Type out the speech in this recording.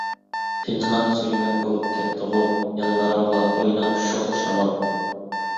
پىنھان سۆيمەك بولۇپ كەتتىغۇ، يانلىرىڭغا ئويناق شوخ شامال.